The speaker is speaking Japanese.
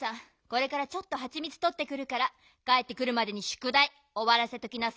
これからちょっとハチミツとってくるからかえってくるまでにしゅくだいおわらせておきなさいよ。